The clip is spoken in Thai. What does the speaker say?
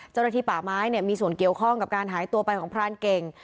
เจ้าหน้าที่ป่าไม้มีส่วนเกี่ยวข้องกับการหายตัวไปของพรานเก่ง